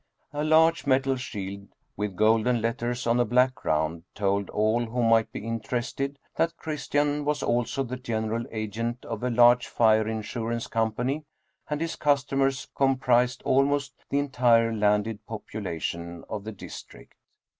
A large metal shield with golden letters on a black ground told all who might be interested that Chris 16 Dietrich Theden tian was also the general agent of a large fire insurance company, and his customers comprised almost the entire landed population of the district.